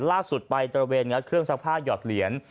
ล่าสุดไปตระเวนงัดเครื่องซักผ้าหยอดเหรียญ